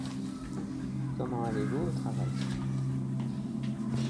Comment allez-vous au travail ?